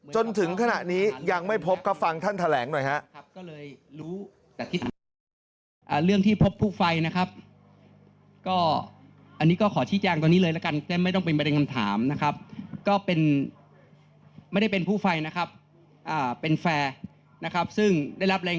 จนถึงขณะนี้ยังไม่พบครับฟังท่านแถลงหน่อยฮะ